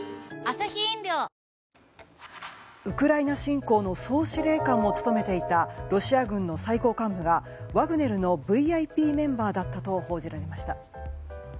ウクライナ侵攻の総司令官も務めていたロシア軍の最高幹部がワグネルのＶＩＰメンバーだったと報じられました。